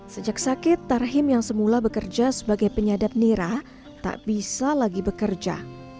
sejak sakit tarhim yang semula bekerja sebagai penyadap nira tak bisa lagi bekerja